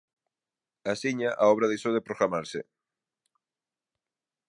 Axiña a obra deixou de programarse.